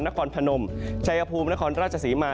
นครพนมชัยภูมินครราชศรีมา